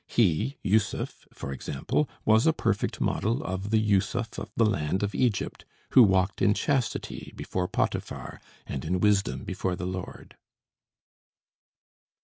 He, Jussuf, for example, was a perfect model of the Jussuf of the land of Egypt, who walked in chastity before Potiphar, and in wisdom before the Lord.